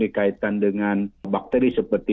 dikaitkan dengan bakteri seperti